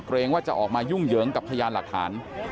ว่าจะออกมายุ่งเหยิงกับพยานหลักฐาน